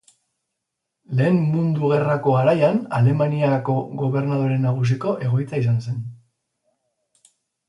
Lehen Mundu Gerrako garaian, Alemaniako Gobernadore Nagusiko egoitza izan zen.